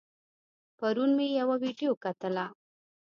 پرون مې يوه ويډيو کتله